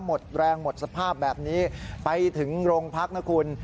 หมดแรงหมดสภาพแบบนี้ไปถึงโรงพักนะคุณ